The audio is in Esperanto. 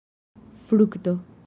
frukto